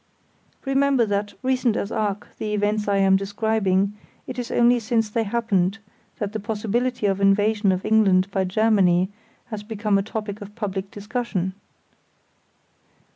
Remember that, recent as are the events I am describing, it is only since they happened that the possibility of an invasion of England by Germany has become a topic of public discussion.